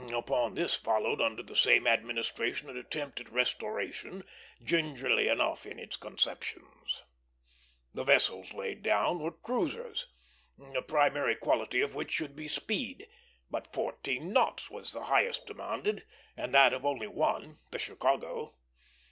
Upon this followed under the same administration an attempt at restoration, gingerly enough in its conceptions. The vessels laid down were cruisers, the primary quality of which should be speed; but fourteen knots was the highest demanded, and that of one only, the Chicago.